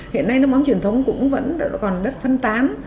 hiện nay nước mắm truyền thống cũng vẫn còn rất phân tán